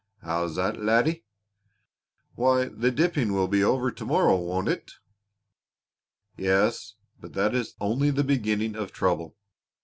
"How's that, laddie?" "Why, the dipping will be over to morrow, won't it?" "Yes; but that is only the beginning of trouble.